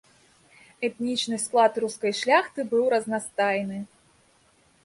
Этнічны склад рускай шляхты быў разнастайны.